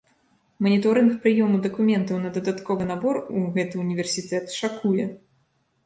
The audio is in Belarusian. Маніторынг прыёму дакументаў на дадатковы набор у гэты ўніверсітэт шакуе!